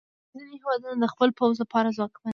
د نړۍ ځینې هیوادونه د خپل پوځ لپاره ځواکمن دي.